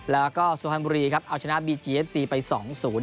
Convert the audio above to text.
แล้วก็สุพรรณบุรีครับเอาชนะบีจีเอฟซีไปสองศูนย์